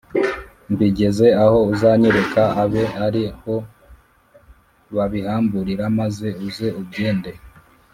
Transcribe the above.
mbigeze aho uzanyereka abe ari ho babihamburira maze uze ubyende